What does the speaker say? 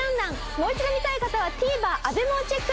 もう一度見たい方はＴＶｅｒＡＢＥＭＡをチェック。